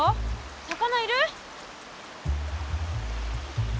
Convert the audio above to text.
魚いる？